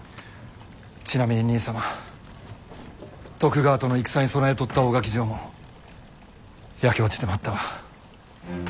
ちなみに兄様徳川との戦に備えとった大垣城も焼け落ちてまったわ。